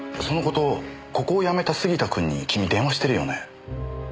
その事をここを辞めた杉田君に君電話してるよね？